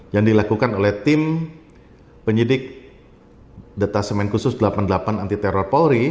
yang dilakukan oleh tim penyidik detasemen khusus delapan puluh delapan anti teror polri